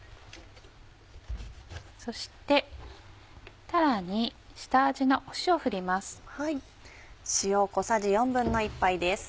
そしてたらに下味の塩振ります。